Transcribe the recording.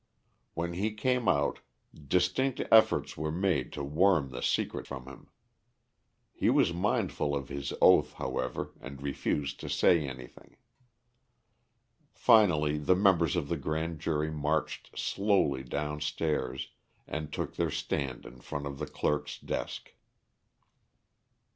When he came out, distinct efforts were made to worm the secret from him. He was mindful of his oath, however, and refused to say anything. Finally the members of the grand jury marched slowly down stairs, and took their stand in front of the clerk's desk.